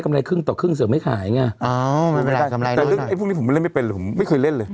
ไม่คือตอนห้าแสนไม่นี่หรอที่ได้ข่าวมา